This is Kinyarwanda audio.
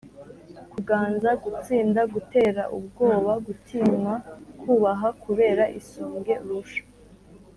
kuganza: gutsinda, gutera ubwoba, gutinywa, kubaha kubera isumbwe urusha